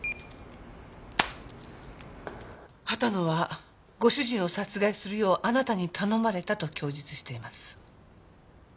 秦野はご主人を殺害するようあなたに頼まれたと供述しています。